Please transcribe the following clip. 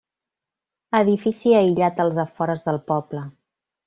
Edifici aïllat als afores del poble.